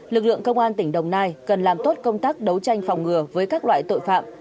lực lượng công an tỉnh đồng nai cần làm tốt công tác đấu tranh phòng ngừa với các loại tội phạm